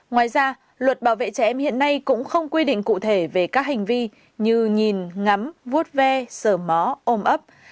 ngoài ra luật bảo vệ trẻ em hiện nay cũng không quy định cụ thể về các hành vi như nhìn ngắm vút ve sờ mó ôm ấp